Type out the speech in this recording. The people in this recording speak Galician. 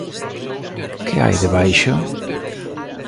Que hai debaixo?